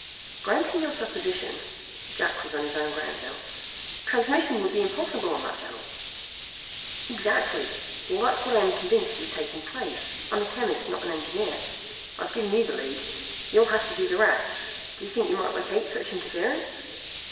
"Granting your supposition," Jack was on his own ground now "transmission would be impossible on that channel." "Exactly! Well, that's what I am convinced is taking place. I'm a chemist, not an engineer. I've given you the lead. You'll have to do the rest. Do you think you might locate such interference?"